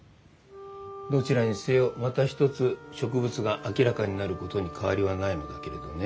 どちらにせよまた一つ植物が明らかになることに変わりはないのだけれどね。